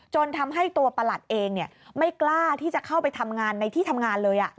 ทำให้ตัวประหลัดเองไม่กล้าที่จะเข้าไปทำงานในที่ทำงานเลย